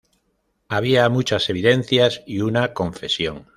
Había muchas evidencias y una confesión.